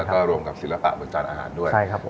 แล้วก็รวมกับศิลปะบนจานอาหารด้วย